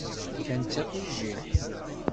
Fkan-tt akk i jjiḥ.